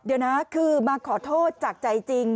เดี๋ยวนะคือมาขอโทษจากใจจริง